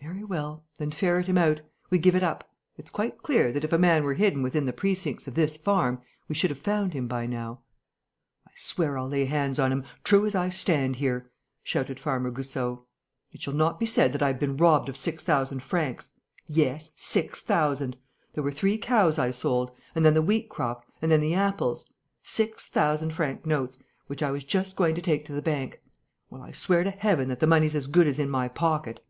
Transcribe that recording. "Very well. Then ferret him out. We give it up. It's quite clear, that if a man were hidden within the precincts of this farm, we should have found him by now." "I swear I'll lay hands on him, true as I stand here!" shouted Farmer Goussot. "It shall not be said that I've been robbed of six thousand francs. Yes, six thousand! There were three cows I sold; and then the wheat crop; and then the apples. Six thousand franc notes, which I was just going to take to the bank. Well, I swear to Heaven that the money's as good as in my pocket!"